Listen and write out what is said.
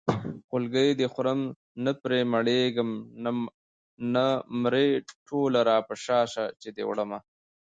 خولګۍ دې خورم نه پرې مړېږم نامرې ټوله راپشا شه چې دې وړمه